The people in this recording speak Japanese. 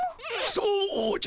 そうじゃ。